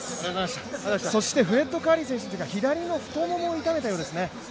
そしてフレッド・カーリー選手は左の太ももを痛めたようですね。